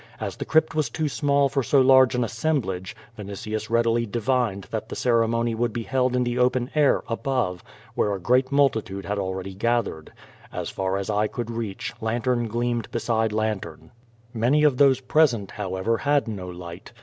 As the crypt was too small for so large an assemblage, Vinitius readily divined that the ceremony would be held in the open air, above, where a great multitu4e had already gathered. As far as eye could reach, lantern gleamed beside lantern. Many of those present, however, had no light.